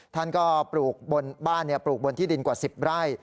ท่านก็ปลูกบนบ้านปลูกบนที่ดินกว่า๑๐ไร่